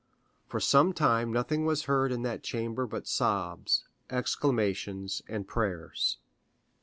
For some time nothing was heard in that chamber but sobs, exclamations, and prayers.